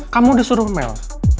kamu disuruh mel